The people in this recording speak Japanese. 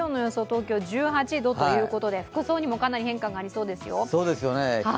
東京１８度ということで服装にもかなり変化がありそうですよ。